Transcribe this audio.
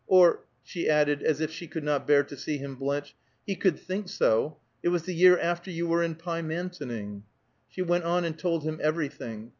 Or," she added, as if she could not bear to see him blench, "he could think so. It was the year after you were in Pymantoning." She went on and told him everything.